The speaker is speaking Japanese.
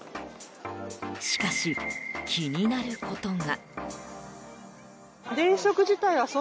しかし、気になることが。